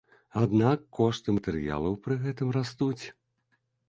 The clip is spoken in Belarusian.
Аднак кошты матэрыялаў пры гэтым растуць.